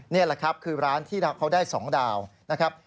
นี่แหละครับคือร้านที่เขาได้๒ดาวนะครับ